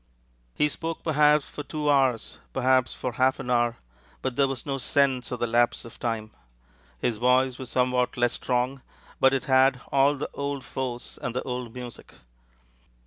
He spoke perhaps for two hours, perhaps for half an hour. But there was no sense of the lapse of time. His voice was somewhat less strong, but it had all the old force and the old music.